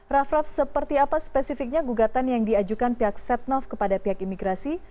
raff raff seperti apa spesifiknya gugatan yang diajukan pihak setnov kepada pihak imigrasi